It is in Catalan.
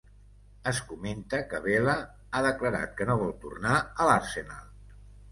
Es comenta que Vela ha declarat que no vol tornar a l'Arsenal.